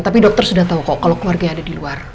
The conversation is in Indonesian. tapi dokter sudah tau kok kalau keluarganya ada di luar